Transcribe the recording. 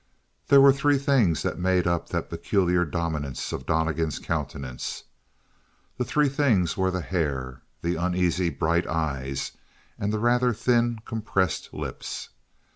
There were three things that made up the peculiar dominance of Donnegan's countenance. The three things were the hair, the uneasy, bright eyes, and the rather thin, compressed lips.